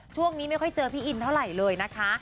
ช่วงนี้ไม่ค่อยเจอพี่อินเท่าไหร่เลยนะคะ